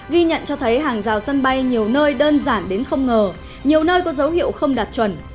ghi nhận cho thấy hàng rào sân bay nhiều nơi đơn giản đến không ngờ nhiều nơi có dấu hiệu không đạt chuẩn